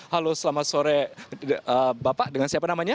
halo selamat sore bapak dengan siapa namanya